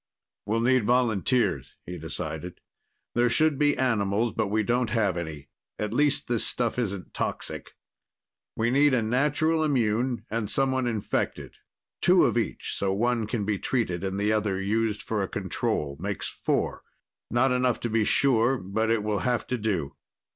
"We'll need volunteers," he decided. "There should be animals, but we don't have any. At least this stuff isn't toxic. We need a natural immune and someone infected. Two of each, so one can be treated and the other used for a control. Makes four. Not enough to be sure, but it will have to do."